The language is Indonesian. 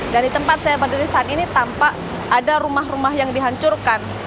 dan di tempat saya berada di saat ini tampak ada rumah rumah yang dihancurkan